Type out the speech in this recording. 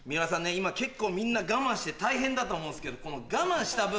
今結構みんな我慢して大変だと思うんですけどこの我慢した分。